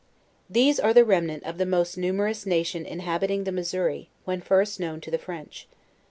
These are the remnant of the most numer ous nation inhabiting the Missouri, when first known to the French.